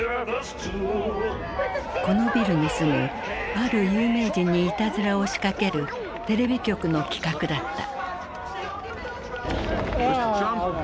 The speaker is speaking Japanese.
このビルに住むある有名人にいたずらを仕掛けるテレビ局の企画だった。